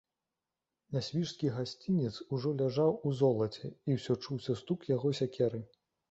Нясвіжскі гасцінец ужо ляжаў у золаце, і ўсё чуўся стук яго сякеры.